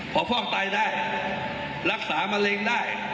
เพราะครอบครัวตายได้รักษามะเร็งได้